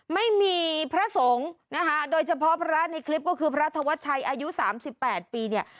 ไม่มีพระสงฆ์นะคะโดยเฉพาะพระในคลิปก็คือพระธวัชชัยอายุสามสิบแปดปีเนี่ย